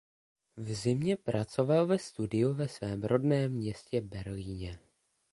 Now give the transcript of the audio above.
V zimě pracoval ve studiu ve svém rodném městě Berlíně.